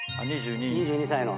２２歳の。